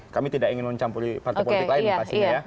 kami tidak ingin mencampuri partai politik lain pastinya ya